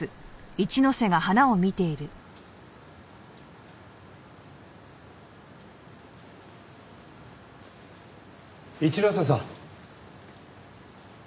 一之瀬さん。